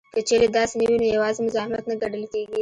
که چېرې داسې نه وي نو یوازې مزاحمت نه ګڼل کیږي